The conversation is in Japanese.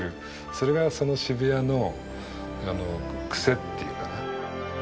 それがその渋谷のクセっていうかな。